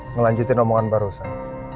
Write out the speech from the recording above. ngelanjutin omongan barusan